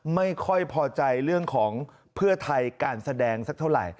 ไม่ค่อยพอใจเรื่องของเพื่อไทยการแสดงสักเท่าไหร่